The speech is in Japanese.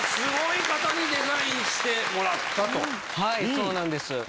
そうなんです。